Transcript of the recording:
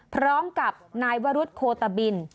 พร้อมกับนายวรุษโคตบิน